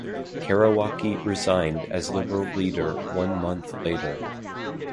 Karawacki resigned as Liberal leader one month later.